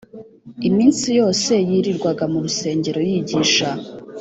Iminsi yose yirirwaga mu rusengero yigisha